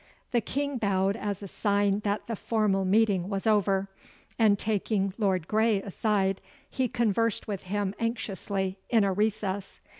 The King bowed as a sign that the formal meeting was over, and taking Lord Grey aside, he conversed with him anxiously in a recess.